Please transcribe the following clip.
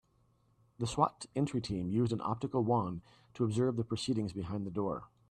The S.W.A.T. entry team used an optical wand to observe the proceedings behind the door.